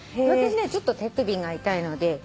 私ねちょっと手首が痛いので。